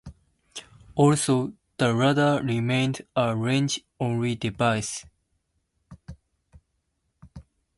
Also, the radar remained a range-only device.